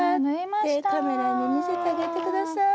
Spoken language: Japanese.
でカメラに見せてあげて下さい。